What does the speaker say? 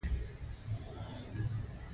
په لومړیو کې بزګران په ځمکو پورې تړلي نه وو.